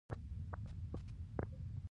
چې مونږ ورته ميټابالک بیمارۍ وايو